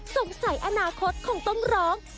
สงสัยอนาคตคงต้องร้อง